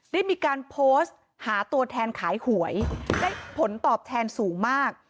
ได้มีการโพสต์หาตัวแทนขายหวยได้ผลตอบแทนสูงมาก